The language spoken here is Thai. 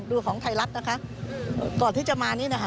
ดูของไทยรัฐนะคะก่อนที่จะมานี่นะคะ